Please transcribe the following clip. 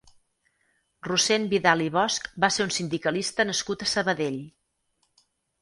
Rossend Vidal i Bosch va ser un sindicalista nascut a Sabadell.